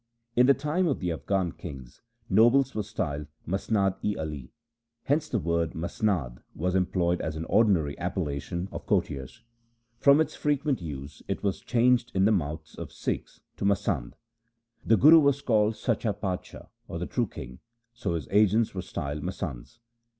In the time of the Afghan kings, nobles were styled Masnad i ali. Hence the word masnad was employed as an ordinary appellation of courtiers. From its frequent use it was changed in the mouths of Sikhs into masand. The Guru was called Sacha Padshah, or the true king, so his agents were styled masands.